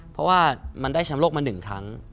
เพราะว่ามันได้ชำโลกมาหนึ่งครั้ง